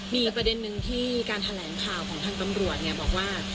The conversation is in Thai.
มีประเด็นหนึ่งที่การแถลงข่าวของทางตำรวจบอกว่า